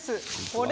これ！